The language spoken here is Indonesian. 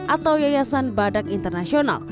atau yayasan badak internasional